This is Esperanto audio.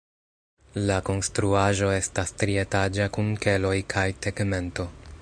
La konstruaĵo estas trietaĝa kun keloj kaj tegmento.